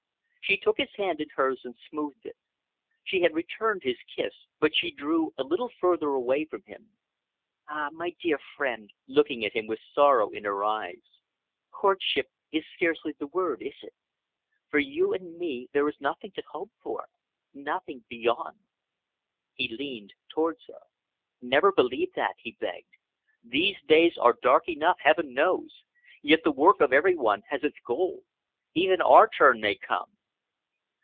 She took his hand in hers and smoothed it. She had returned his kiss, but she drew a little further away from him. "Ah! my dear friend," looking at him with sorrow in her eyes, "courtship is scarcely the word, is it? For you and me there is nothing to hope for, nothing beyond." He leaned towards her. "Never believe that," he begged. "These days are dark enough, Heaven knows, yet the work of every one has its goal. Even our turn may come."